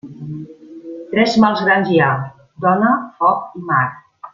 Tres mals grans hi ha: dona, foc i mar.